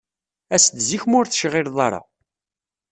As-d zik ma ur tecɣiled ara.